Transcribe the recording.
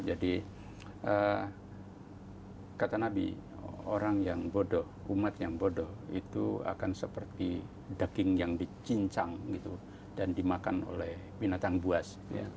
jadi kata nabi orang yang bodoh umat yang bodoh itu akan seperti daging yang dicincang dan dimakan oleh binatang buas